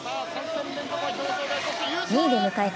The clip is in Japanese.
２位で迎えた